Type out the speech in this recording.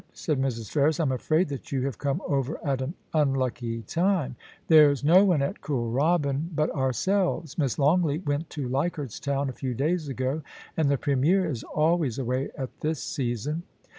said Mrs. Ferris, * I'm afraid that you have come over at an unlucky time. There's no one at Kooral ANGELA. 117 byn but ourselves. Miss Longleat went to Leichardt^s Town a few days ago, and the Premier is always away at this season.